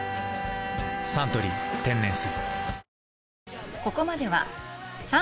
「サントリー天然水」